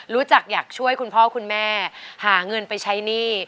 รู้จักอยากช่วยคุณพ่อคุณแม่หาเงินไปใช้หนี้